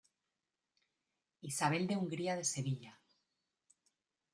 Isabel de Hungría de Sevilla.